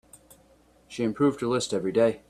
She improved her list every day.